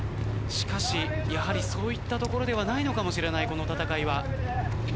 しかしやはりそういったところではないのかもしれないこの戦いは。